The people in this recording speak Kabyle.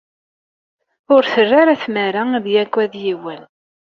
Ur terri ara tmara ad yaggad yiwen.